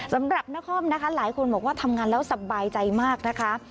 สำหรับนครนะคะหลายคนบอกว่าทำงานแล้วสบายใจมากนะคะ